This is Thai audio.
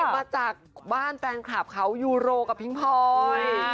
มาจากบ้านแฟนคลับเขายูโรกับพิงพลอย